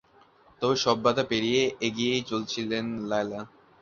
তবে সব বাধা পেরিয়ে এগিয়েই চলছিলেন লায়লা।